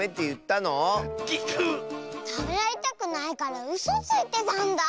たべられたくないからうそついてたんだ。